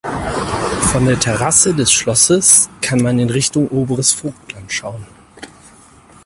Von der Terrasse des Schlosses kann man in Richtung "Oberes Vogtland" schauen.